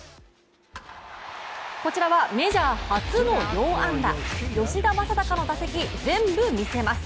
こちらはメジャー初の４安打吉田正尚の打席、全部見せます。